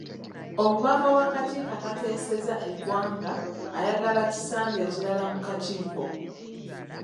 Omubaka w'akakiiko akateeseza eggwanga ayagala kisanja kirala mu kakiiko.